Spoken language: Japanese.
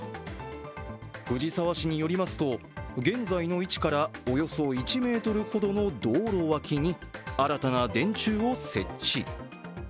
藤沢市によりますと、現在の位置からおよそ１ｍほどの道路脇に新たな電柱を設置。